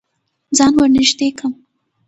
ځان ور نږدې که.